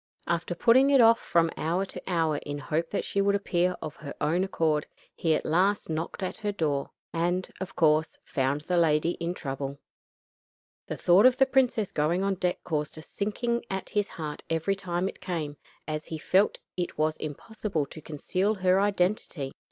After putting it off from hour to hour in hope that she would appear of her own accord, he at last knocked at her door, and, of course, found the lady in trouble. The thought of the princess going on deck caused a sinking at his heart every time it came, as he felt that it was almost impossible to conceal her identity.